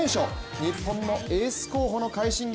日本のエース候補の快進撃